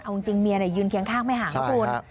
เอาจริงเมียยืนเคียงข้างไม่ห่างนะคุณ